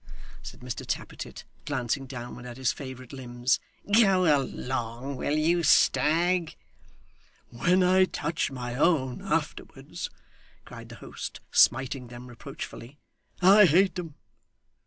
said Mr Tappertit, glancing downward at his favourite limbs. 'Go along, will you, Stagg!' 'When I touch my own afterwards,' cried the host, smiting them reproachfully, 'I hate 'em.